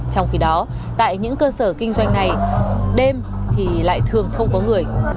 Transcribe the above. trong khi đó tại những cơ sở kinh doanh này đêm thì lại thường không có người